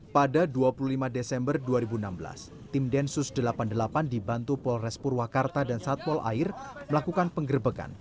pada dua puluh lima desember dua ribu enam belas tim densus delapan puluh delapan dibantu polres purwakarta dan satpol air melakukan penggerbekan